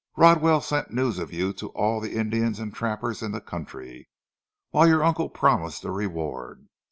Rodwell sent news of you to all the Indians and trappers in the country, whilst your uncle promised a reward.